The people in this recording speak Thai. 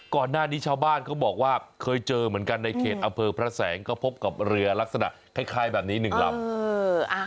ก่อนหน้านี้ชาวบ้านเขาบอกว่าเคยเจอเหมือนกันในเขตอำเภอพระแสงก็พบกับเรือลักษณะคล้ายแบบนี้หนึ่งลำ